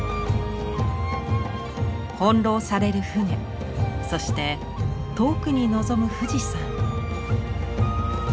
翻弄される船そして遠くに望む富士山。